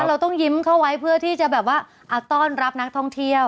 เราต้องยิ้มเข้าไว้เพื่อที่จะแบบว่าต้อนรับนักท่องเที่ยว